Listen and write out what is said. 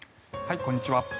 こんにちは。